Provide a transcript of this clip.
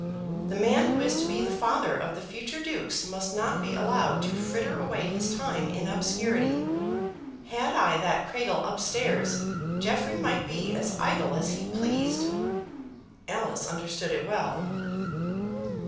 The man who is to be the father of the future dukes must not be allowed to fritter away his time in obscurity. Had I that cradle up stairs Jeffrey might be as idle as he pleased." Alice understood it well.